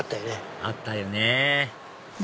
あったよね